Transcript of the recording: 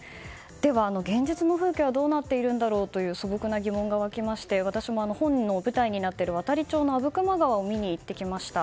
では現実の風景はどうなっているんだろうという素朴な疑問が湧きまして私も本の舞台になっている阿武隈川を見に行きました。